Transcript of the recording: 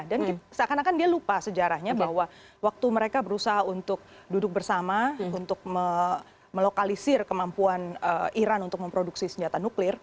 dan seakan akan dia lupa sejarahnya bahwa waktu mereka berusaha untuk duduk bersama untuk melokalisir kemampuan iran untuk memproduksi senjata nuklir